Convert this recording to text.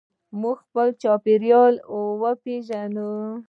چې موږ خپل چاپیریال وپیژنو.